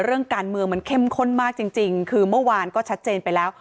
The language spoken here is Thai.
เรื่องการเมืองมันเข้มข้นมากจริงคือเมื่อวานก็ชัดเจนไปแล้ว